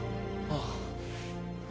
ああ